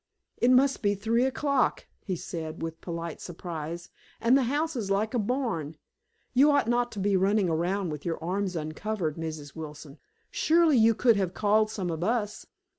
"It must be three o'clock," he said, with polite surprise, "and the house is like a barn. You ought not to be running around with your arms uncovered, Mrs. Wilson. Surely you could have called some of us."